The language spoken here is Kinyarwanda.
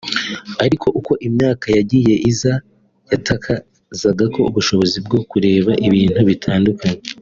ariko uko imyaka yagiye iza yatakazaga ubushobozi bwo kureba ibintu bitandukanye